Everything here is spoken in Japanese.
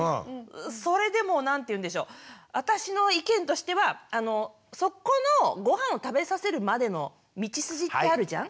それでも何ていうんでしょ私の意見としてはそこのごはんを食べさせるまでの道筋ってあるじゃん？